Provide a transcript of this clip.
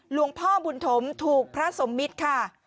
หลวงพ่อบุญถมถูกพระสมมิตรค่ะ